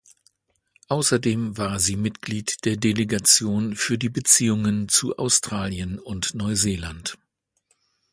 Außerdem war sie Mitglied der Delegation für die Beziehungen zu Australien und Neuseeland.